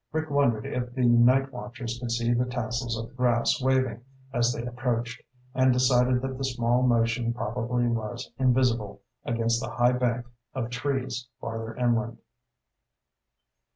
Rick wondered if the night watchers could see the tassels of the grass waving as they approached, and decided that the small motion probably was invisible against the high bank of trees farther inland.